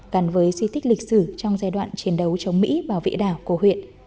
gắn với di tích lịch sử trong giai đoạn chiến đấu chống mỹ bảo vệ đảo của huyện